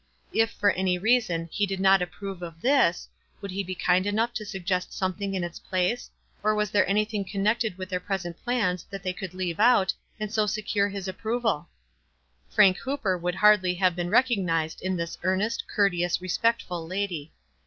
If, for any reason, he didn't approve of this, would he be kind enough to suggest something in its place, or was there anything connected with their present plans that they could leave out, and so secure his approv al? Frank Hooper would hardly have been recognized in this earnest, courteous, respect ful lady.